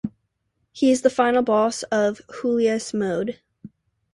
He is the final boss of Julius Mode.